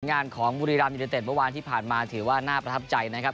งานของบุรีรัมยูเนเต็ดเมื่อวานที่ผ่านมาถือว่าน่าประทับใจนะครับ